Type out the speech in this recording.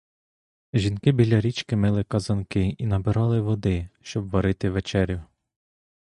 Жінки біля річки мили казанки і набирали води, щоб варити вечерю.